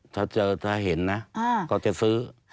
ถ้าเห็นนะก็จะซื้อ